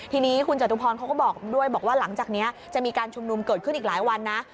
ทีนี้คุณจตุพรเขาก็บอกด้วยบอกว่าหลังจากนี้จะมีการชุมนุมเกิดขึ้นอีกหลายวันนะ